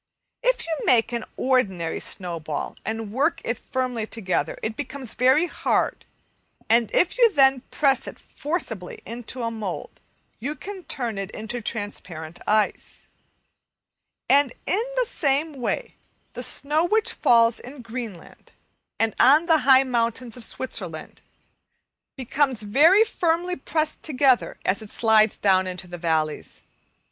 If you make an ordinary snowball and work it firmly together, it becomes very hard, and if you then press it forcibly into a mould you can turn it into transparent ice. And in the same way the snow which falls in Greenland and on the high mountains of Switzerland becomes very firmly pressed together, as it slides down into the valleys.